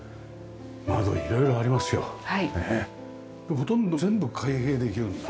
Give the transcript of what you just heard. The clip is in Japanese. ほとんど全部開閉できるんですか？